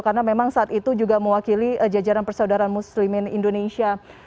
karena memang saat itu juga mewakili jajaran persaudaraan muslimin indonesia